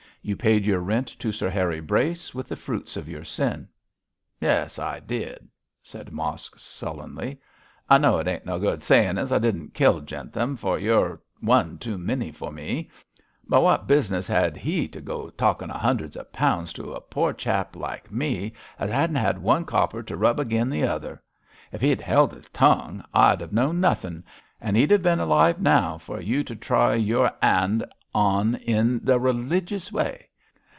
You paid your rent to Sir Harry Brace with the fruits of your sin.' 'Yes, I did!' said Mosk, sullenly. 'I know it ain't no good sayin' as I didn't kill Jentham, for you're one too many for me. But wot business had he to go talkin' of hundreds of pounds to a poor chap like me as 'adn't one copper to rub agin the other? If he'd held his tongue I'd 'ave known nothin', and he'd 'ave bin alive now for you to try your 'and on in the religious way.